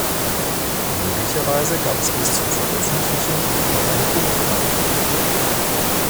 Möglicherweise gab es bis zur Veröffentlichung noch eine Umarbeitung.